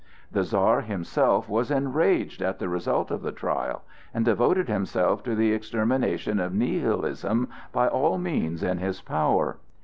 The Czar himself was enraged at the result of the trial, and devoted himself to the extermination of Nihilism by all means in his power.